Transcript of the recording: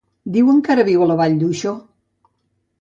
Diuen que ara viu a la Vall d'Uixó.